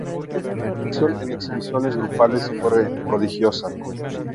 Su participación en exhibiciones grupales fue prodigiosa.